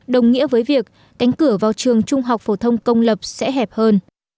đồng nghĩa với việc cánh cửa vào trường trung học phổ thông công lập sẽ hẹp hơn